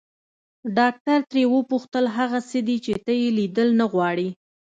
ډاکټر ترې وپوښتل هغه څه دي چې ته يې ليدل نه غواړې.